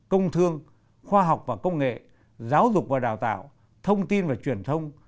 công thương khoa học và công nghệ giáo dục và đào tạo thông tin và truyền thông